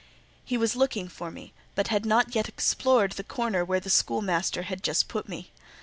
He was looking for me, but had not yet explored the corner where the schoolmaster had just put me.